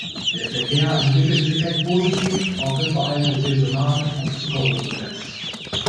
Der Verkehr entwickelte sich recht positiv, auch wenn vor allem saisonal auf Zuckerrüben begrenzt.